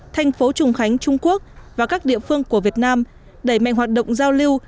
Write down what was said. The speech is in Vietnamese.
thành phố trùng khánh trung quốc và các địa phương của việt nam đẩy mạnh hoạt động giao lưu